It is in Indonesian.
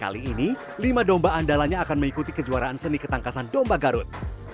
kali ini lima domba andalanya akan mengikuti kejuaraan seni ketangkasan domba garut